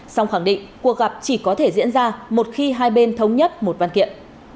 song khẳng định cuộc gặp chỉ có thể diễn ra một khi hai bên thống nhất một văn kiện